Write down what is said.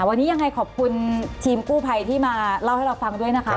วันนี้ยังไงขอบคุณทีมกู้ภัยที่มาเล่าให้เราฟังด้วยนะคะ